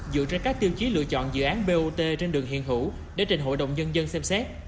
dựa trên các tiêu chí lựa chọn dự án bot trên đường hiện hữu để trình hội đồng nhân dân xem xét